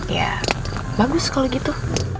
ya bagus kalau gitu